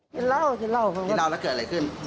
กินเหล้าแล้วเกิดอะไรขึ้น